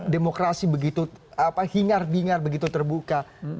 demokrasi begitu hingar bingar begitu terbuka